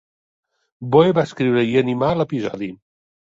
Boe va escriure i animar l'episodi.